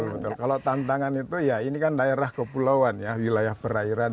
betul kalau tantangan itu ya ini kan daerah kepulauan ya wilayah perairan